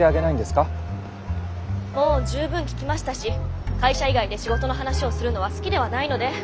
もう十分聞きましたし会社以外で仕事の話をするのは好きではないので。